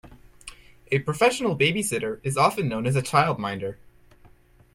A professional babysitter is often known as a childminder